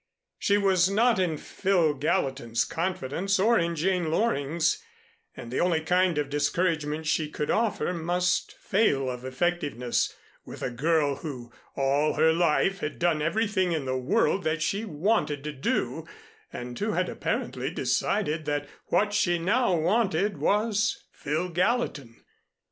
She was not in Phil Gallatin's confidence or in Jane Loring's, and the only kind of discouragement she could offer must fail of effectiveness with a girl who all her life had done everything in the world that she wanted to do, and who had apparently decided that what she now wanted was Phil Gallatin.